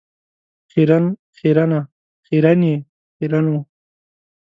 خیرن، خیرنه ،خیرنې ، خیرنو .